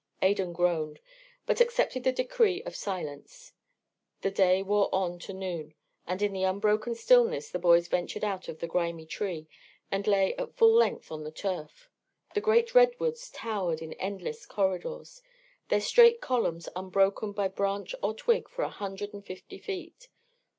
Adan groaned, but accepted the decree of silence. The day wore on to noon, and in the unbroken stillness the boys ventured out of the grimy tree and lay at full length on the turf. The great redwoods towered in endless corridors, their straight columns unbroken by branch or twig for a hundred and fifty feet.